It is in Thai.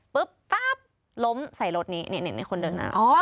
ปุ๊บป๊าบล้มใส่รถนี้นี่คนเดินหน้า